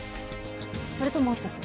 それともう一つ。